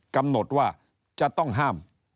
กำหนดว่าจะต้องห้าม